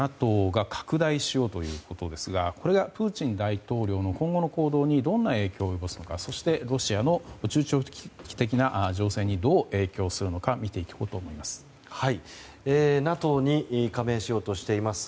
ＮＡＴＯが拡大しようということですがこれがプーチン大統領の今後の行動にどんな影響を及ぼすのかそしてロシアの中長期的な情勢にどう影響するのか見ていこうと思います。